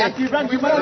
kaki berang gimana pak